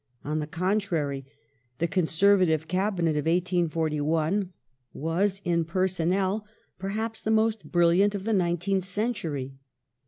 On the contrary, the Conservative Cabinet of 1841 was in pereonnel perhaps the most brilliant of the nineteenth century.